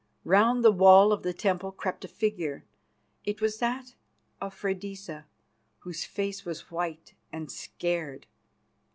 Round the wall of the temple crept a figure; it was that of Freydisa, whose face was white and scared.